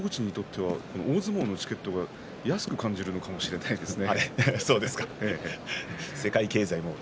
外国人にとったら大相撲のチケットは安く感じるのかもしれないですね。